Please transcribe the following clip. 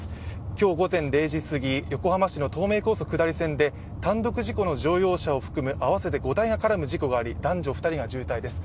今日午前０時過ぎ横浜市の東名高速道路下り線で単独事故の乗用車を含む合わせて５台が絡む事故があり男女２人が重体です。